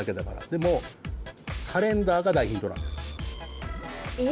でもカレンダーが大ヒントなんです。え？